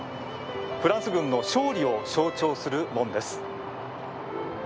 フランス軍の勝利を象徴する門です。